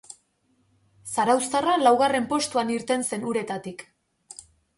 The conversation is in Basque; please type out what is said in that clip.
Zarauztarra laugarren postuan irten zen uretatik.